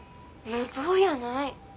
無謀やない！